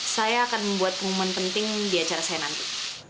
saya akan membuat momen penting di acara saya nanti